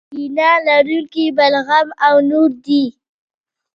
وینه لرونکي بلغم او نور دي.